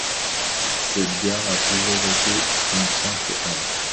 Cette gare a toujours été une simple halte.